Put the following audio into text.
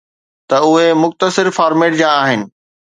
ته اهي مختصر فارميٽ جا آهن